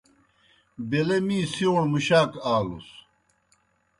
بیلہ می سِیوݨوْ مُشاک آلُس۔